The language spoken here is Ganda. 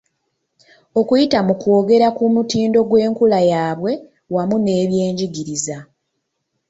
Okuyita mu kwongera ku mutindo gw’enkula yaabwe wamu n’ebyenjigiriza.